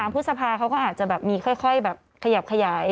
พฤษภาเขาก็อาจจะแบบมีค่อยแบบขยับขยาย